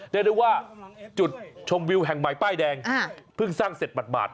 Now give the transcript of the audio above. เรียกได้ว่าจุดชมวิวแห่งใหม่ป้ายแดงเพิ่งสร้างเสร็จบาด